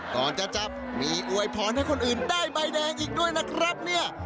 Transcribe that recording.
ก่อนจะจับมีอวยพรให้คนอื่นได้ใบแดงอีกด้วยนะครับเนี่ย